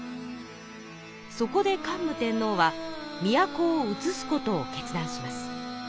そこで桓武天皇は都を移すことを決断します。